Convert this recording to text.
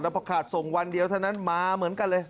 พอขาดส่งวันเดียวเท่านั้นมาเหมือนกันเลย